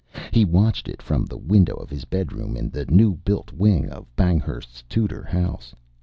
He watched it from the window of his bedroom in the new built wing of Banghurst's Tudor house.